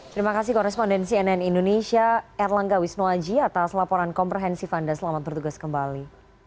terima kasih korespondensi nn indonesia erlangga wisnuaji atas laporan komprehensif anda selamat bertugas kembali